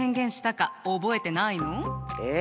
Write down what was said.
え！？